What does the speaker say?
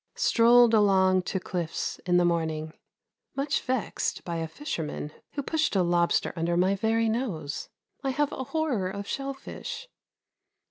Strolled along to cliffs in the morning. Much vexed by a fisherman who pushed a lobster under my very nose. I have a horror of shellfish.